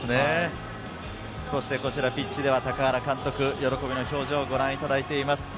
こちら、ピッチでは高原監督、喜びの表情をご覧いただいています。